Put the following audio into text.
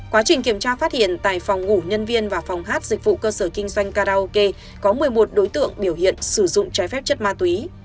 quá trình kiểm tra phát hiện tại phòng ngủ nhân viên và phòng hát dịch vụ cơ sở kinh doanh karaoke có một mươi một đối tượng biểu hiện sử dụng trái phép chất ma túy